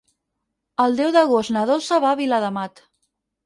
El deu d'agost na Dolça va a Viladamat.